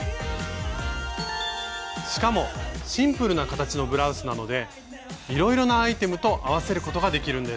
しかもシンプルな形のブラウスなのでいろいろなアイテムと合わせることができるんです。